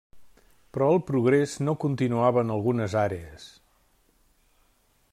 Però el progrés no continuava en algunes àrees.